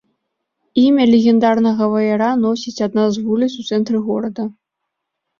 Імя легендарнага ваяра носіць адна з вуліц у цэнтры горада.